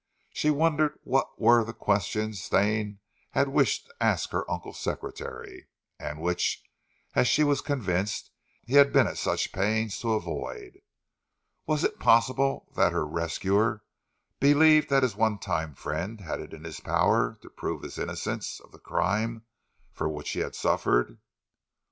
She wondered what were the questions Stane had wished to ask her uncle's secretary; and which, as she was convinced, he had been at such pains to avoid. Was it possible that her rescuer believed that his one time friend had it in his power to prove his innocence of the crime for which he had suffered?